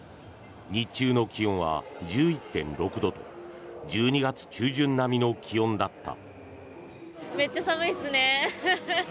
日中の気温は１１．６度と１２月中旬並みの気温だった。